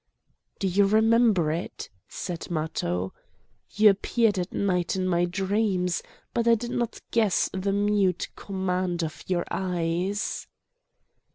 "Do you remember it?" said Matho. "You appeared at night in my dreams, but I did not guess the mute command of your eyes!"